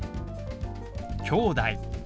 「きょうだい」。